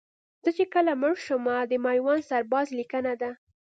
زه چې کله مړ شمه د میوند سرباز لیکنه ده